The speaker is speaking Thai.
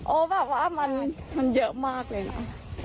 โอ้แบบว่ามันมันเยอะมากเลยน่ะ